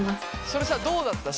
それさどうだった？